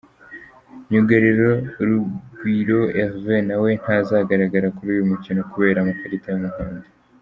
Myugariro Rubwiro Herve nawe ntazagaragara kuri uyu mukino kubera amakarita y’umuhondo.